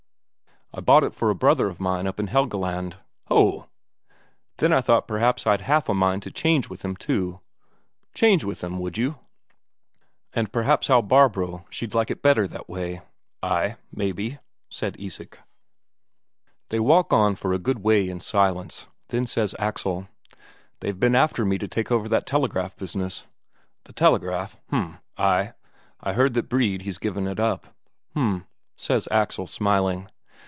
"I bought it for a brother of mine up in Helgeland." "Ho!" "Then I thought perhaps I'd half a mind to change with him, too." "Change with him would you?" "And perhaps how Barbro she'd like it better that way." "Ay, maybe," said Isak. They walk on for a good way in silence. Then says Axel: "They've been after me to take over that telegraph business." "The telegraph? H'm. Ay, I heard that Brede he's given it up." "H'm," says Axel, smiling.